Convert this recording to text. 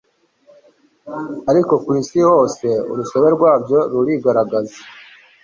Ariko ku isi hose urusobe rwabyo rurigaragaza